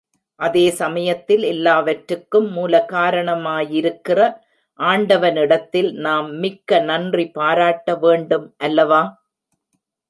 அதே சமயத்தில் எல்லாவற்றுக்கும் மூலகாரணமாயிருக்கிற ஆண்டவனிடத்தில் நாம் மிக்க நன்றி பாராட்ட வேண்டும் அல்லவா?